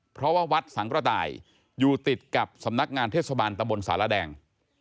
เพราะว่าวัดสังกระต่ายอยู่ติดกับสำนักงานเทศบาลตะบนสารแดง